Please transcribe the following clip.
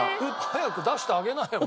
早く出してあげなよ